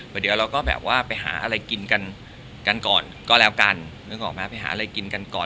เดี๋ยวเราก็แบบว่าไปหาอะไรกินกันกันก่อนก็แล้วกันนึกออกไหมไปหาอะไรกินกันก่อน